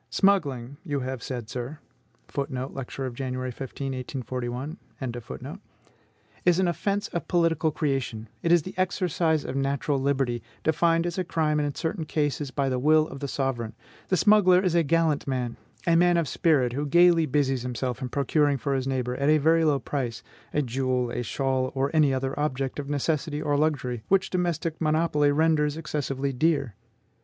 "Smuggling," you have said, sir, "is an offence of political creation; it is the exercise of natural liberty, defined as a crime in certain cases by the will of the sovereign. The smuggler is a gallant man, a man of spirit, who gaily busies himself in procuring for his neighbor, at a very low price, a jewel, a shawl, or any other object of necessity or luxury, which domestic monopoly renders excessively dear."